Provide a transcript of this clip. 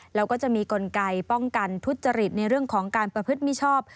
แล้วก็จะมีกลไกป้องกันทุจริตในเรื่องของการประพฤติมิชอบ